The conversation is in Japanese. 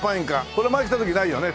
これ前来た時ないよね。